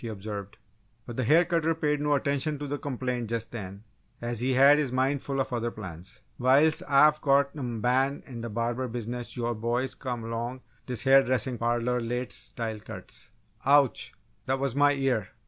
he observed, but the hair cutter paid no attention to the complaint just then as he had his mind full of other plans. "Whiles Ah've got m' ban' in th' barber business all yo' boys come along t' dis ha'r dressin' parloh lates' style cuts!" "Ouch! that was my ear.